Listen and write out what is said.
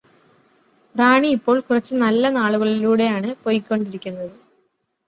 റാണിയിപ്പോൾ കുറച്ച് നല്ല നാളുകളിലൂടെയാണ് പോയികൊണ്ടിരിക്കുന്നത്